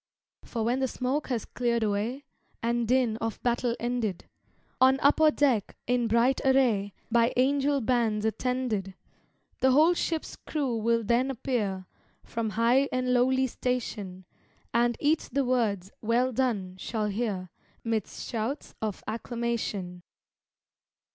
For when the smoke has cleared away, And din of battle ended, On upper deck, in bright array, By angel bands attended, The whole ship's crew will then appear, From high and lowly station, And each the words "well done" shall hear, 'Midst shouts of acclamation.